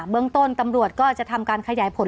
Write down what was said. เมืองต้นตำรวจก็จะทำการขยายผล